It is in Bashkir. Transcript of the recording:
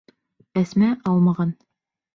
Әсмә алмаған.